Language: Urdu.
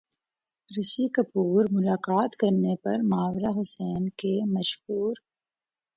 رشی کپور ملاقات کرنے پر ماورا حسین کے مشکور